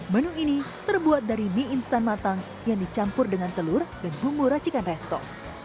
menu ini terbuat dari mie instan matang yang dicampur dengan telur dan bumbu racikan resto